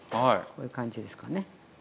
こういう感じですかね。